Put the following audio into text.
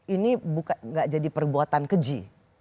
ini gak jadi perbuatan keji